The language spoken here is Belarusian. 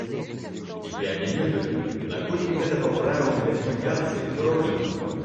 Я не ведаю, наколькі гэта па правілам газіфікацыі зроблена.